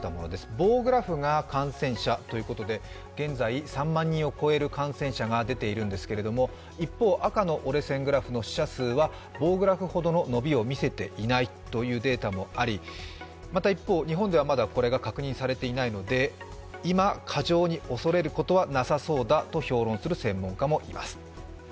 棒グラフが感染者ということで現在、３万人を超える感染者が出ているんですけども一方、赤の折れ線グラフの死者数は棒グラフほどの伸びを見せていないというデータもありまた一方、日本ではこれがまだ確認されていないので今、過剰に恐れることはなさそうだと評論する専門家もいます。